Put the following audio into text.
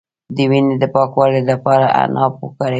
د وینې د پاکوالي لپاره عناب وکاروئ